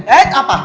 eh eh apa